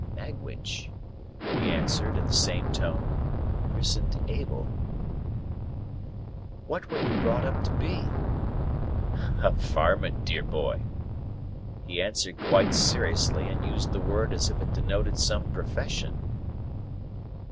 "Magwitch," he answered, in the same tone; "chrisen'd Abel." "What were you brought up to be?" "A warmint, dear boy." He answered quite seriously, and used the word as if it denoted some profession.